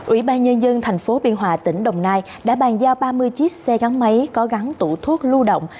ủy ban nhân dân thành phố biên hòa tỉnh đồng nai đã bàn giao ba mươi chiếc xe gắn máy có gắn tủ thuốc lưu động